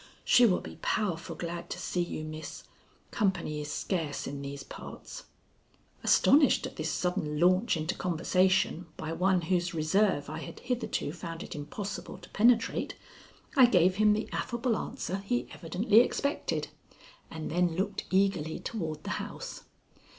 "She will be powerful glad to see you, Miss. Company is scarce in these parts." Astonished at this sudden launch into conversation by one whose reserve I had hitherto found it impossible to penetrate, I gave him the affable answer he evidently expected, and then looked eagerly toward the house.